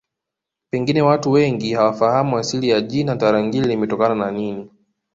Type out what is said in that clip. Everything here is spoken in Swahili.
Pengine watu wengi hawafahamu asili ya jina Tarangire limetokana na nini